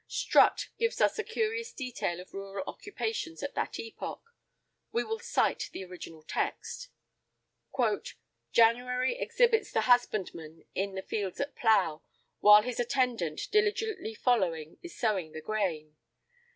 [I 53] Strutt gives us a curious detail of rural occupations at that epoch. We will cite the original text: "January exhibits the husbandman in the fields at plough, while his attendant, diligently following, is sowing the grain.